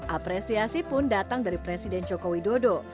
apresiasi pun datang dari presiden jokowi dodo